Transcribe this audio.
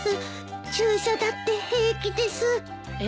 注射だって平気です。え？